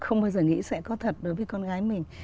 không bao giờ nghĩ sẽ có thật đối với con gái mình